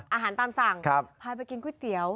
อาหารตามสั่งพาไปกินก๋วยเตี๋ยว